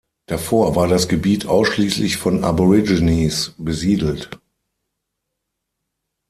Davor war das Gebiet ausschließlich von Aborigines besiedelt.